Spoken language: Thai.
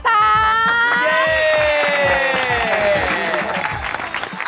เย้